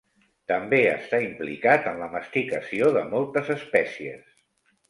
També està implicat en la masticació de moltes espècies.